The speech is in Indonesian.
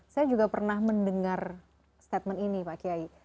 saya juga pernah mendengar statement ini pak kiai